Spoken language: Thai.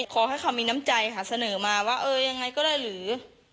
ขอให้เขามีน้ำใจค่ะเสนอมาว่าเออยังไงก็ได้หรือ